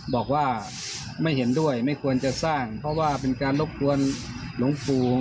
บอกว่าไม่เห็นด้วยไม่ควรจะสร้างเพราะว่าเป็นการรบกวนหลวงปู่